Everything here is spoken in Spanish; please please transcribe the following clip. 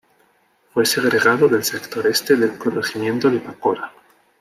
Fue segregado del sector este del corregimiento de Pacora.